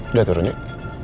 udah turun yuk